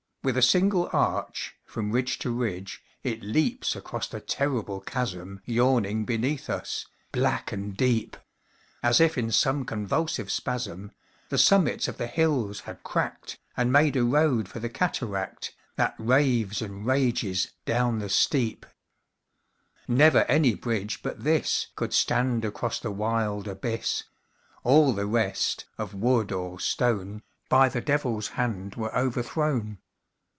With a single arch, from ridge to ridge, It leaps across the terrible chasm Yawning beneath us, black and deep, As if, in some convulsive spasm, The summits of the hills had cracked, And made a road for the cataract That raves and rages down the steep! LUCIFER, under the bridge. Ha! ha! GUIDE. Never any bridge but this Could stand across the wild abyss; All the rest, of wood or stone, By the Devil's hand were overthrown.